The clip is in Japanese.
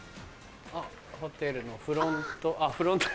あっホテルのフロントフロントに。